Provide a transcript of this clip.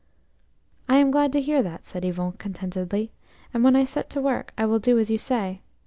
AM glad to hear that," said Yvon contentedly, "and when I set to work I will do as you say.